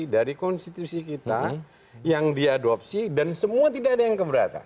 dari konstitusi kita yang diadopsi dan semua tidak ada yang keberatan